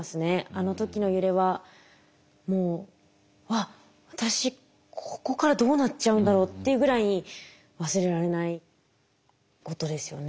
あの時の揺れはもう「私ここからどうなっちゃうんだろう」っていうぐらいに忘れられないことですよね。